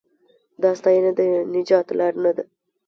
دا ستاینه د نجات لار نه ده.